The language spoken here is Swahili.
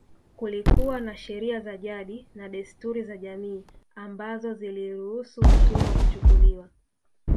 Kulikuwa na sheria za jadi na desturi za jamii ambazo ziliruhusu watumwa kuchukuliwa